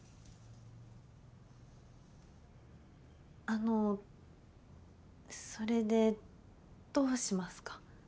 あのそれでどうしますか？